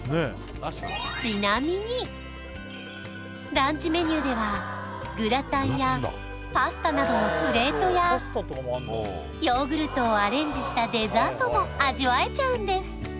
ランチメニューではグラタンやパスタなどのプレートやヨーグルトをアレンジしたデザートも味わえちゃうんです